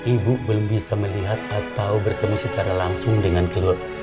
ibu belum bisa melihat atau bertemu secara langsung dengan keluarga